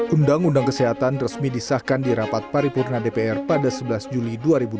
undang undang kesehatan resmi disahkan di rapat paripurna dpr pada sebelas juli dua ribu dua puluh